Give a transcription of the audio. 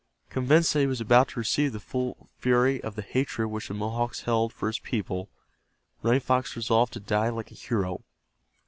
Convinced that he was about to receive the full fury of the hatred which the Mohawks held for his people, Running Fox resolved to die like a hero.